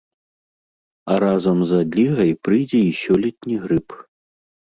А разам з адлігай прыйдзе і сёлетні грып.